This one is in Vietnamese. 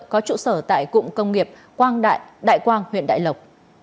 có trụ sở tại cụng công nghiệp quang đại quang huyện đại lộc